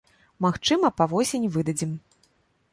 Магчыма, па восені выдадзім.